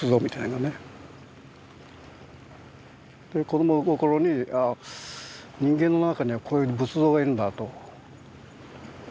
子供心に人間の中にはこういう仏像がいるんだとそう思った。